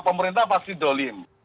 pemerintah pasti dolim